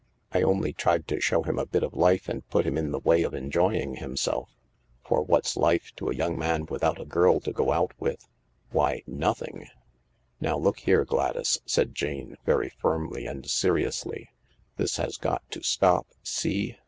I only tried to show him a bit of life and put him in the way of enjoying himself. For what's life to a young man without a girl to go out with ? Why, nothing I " "Now look. here, Gladys," said Jane, very firmly and seriously. "This has got to stop, see